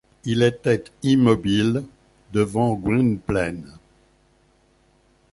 Il était immobile devant Gwynplaine.